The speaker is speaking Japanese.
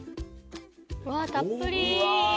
うわたっぷり！